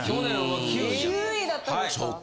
９位だったんですか。